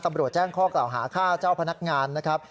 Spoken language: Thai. ตำรวจแจ้งข้อกล่าวหาฆ่าเจ้าพนักงานนะครับ